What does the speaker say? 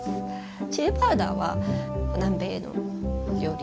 チリパウダーは南米の料理